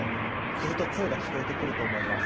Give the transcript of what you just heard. すると声が聞こえてくると思います。